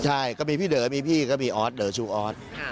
ใช่ก็มีพี่เด๋อมีพี่ก็มีออสเดอชูออส